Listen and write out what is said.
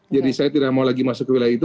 jadi saya tidak mau lagi masuk ke wilayah itu